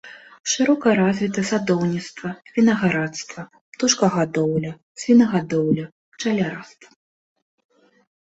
Шырока развіта садоўніцтва, вінаградарства, птушкагадоўля, свінагадоўля, пчалярства.